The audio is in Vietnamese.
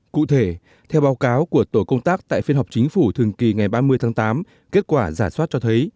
cụ thể theo báo cáo của tổ công tác tại phiên họp chính phủ thường kỳ ngày ba mươi tháng tám kết quả giả soát cho thấy